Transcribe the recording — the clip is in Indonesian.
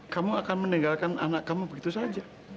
kamu akan meninggalkan anak kamu begitu saja